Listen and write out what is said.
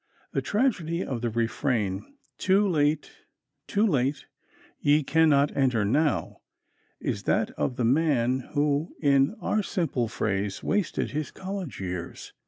The tragedy of the refrain, "Too late, too late; ye cannot enter now," is that of the man who, in our simple phrase, wasted his college years.